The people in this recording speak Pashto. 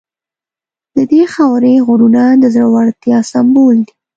د دې خاورې غرونه د زړورتیا سمبول دي.